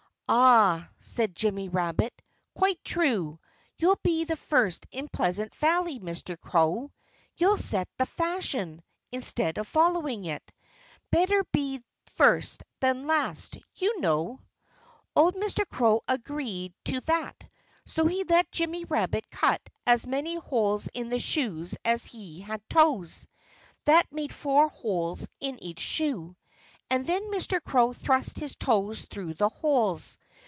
"Ah!" said Jimmy Rabbit. "Quite true! You'll be the first in Pleasant Valley, Mr. Crow. You'll set the fashion, instead of following it. Better be first than last, you know!" Old Mr. Crow agreed to that. So he let Jimmy Rabbit cut as many holes in the shoes as he had toes that made four holes in each shoe. And then Mr. Crow thrust his toes through the holes.